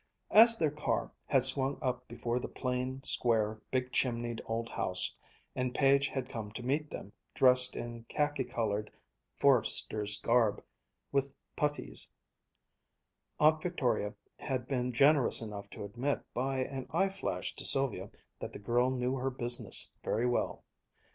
As their car had swung up before the plain, square, big chimneyed old house, and Page had come to meet them, dressed in khaki colored forester's garb, with puttees, Aunt Victoria had been generous enough to admit by an eye flash to Sylvia that the girl knew her business very well.